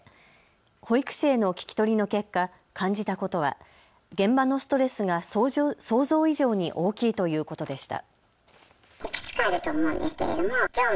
保育士への聞き取りの結果、感じたことは現場のストレスが想像以上に大きいということでした。